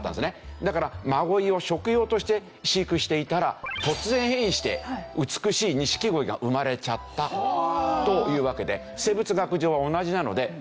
だから真鯉を食用として飼育していたら突然変異して美しい錦鯉が生まれちゃったというわけで。